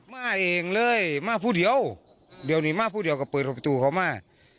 มาเองเลยมาผู้เดียวเดี๋ยวนี้มาผู้เดียวก็เปิดประตูเขามา